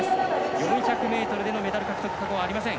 ４００ｍでのメダル獲得は過去にありません。